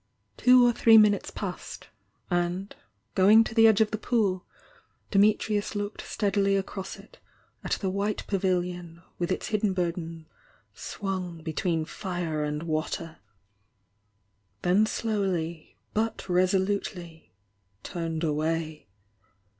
Two or.three minutes passed and going to the edge of the pool, Dimitrius looked steadily across it at the white pavilion with its hidden burden swung between fire and water then slowly, but resolutely, turned away.